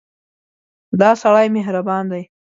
دا سړی مهربان دی.